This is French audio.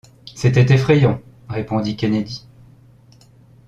C’était effrayant! répondit Kennedy.